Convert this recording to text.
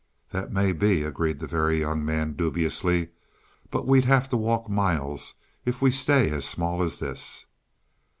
"That may be," agreed the Very Young Man dubiously, "but we'd have to walk miles if we stay as small as this."